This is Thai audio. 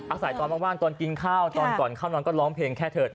อาศัยตอนว่างตอนกินข้าวตอนก่อนเข้านอนก็ร้องเพลงแค่เถิด